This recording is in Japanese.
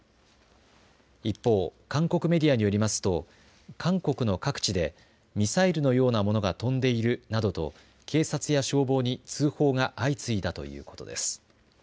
一方韓国メディアによりますと韓国の各地でミサイルのような物が飛んでいるなどと警察や消防に通報が相次いだということです。